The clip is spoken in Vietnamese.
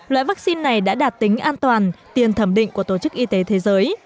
loại vaccine này đã đạt tính an toàn tiền thẩm định của tổ chức y tế thế giới